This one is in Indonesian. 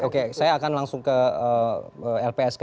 oke saya akan langsung ke lpsk